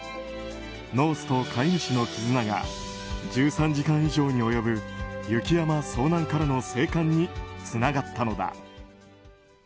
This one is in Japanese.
ノースと飼い主の絆が１３時間以上に及ぶ雪山遭難からの生還につながったのだ。